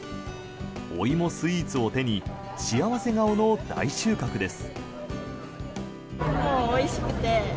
お芋スイーツを手に幸せ顔の大収穫です。